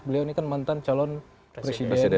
beliau ini kan mantan calon presiden